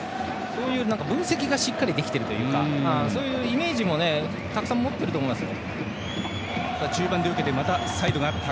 そういう分析がしっかりできているというかそういうイメージもたくさん持っていると思います。